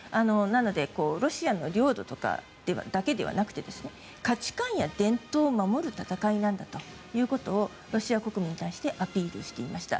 なのでロシアの領土だけではなく価値観や伝統を守る戦いなんだということをロシア国民に対してアピールしていました。